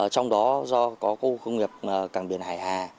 trong đó có công nghiệp cảng biển hải hà